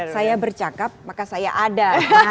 saya bercakap maka saya ada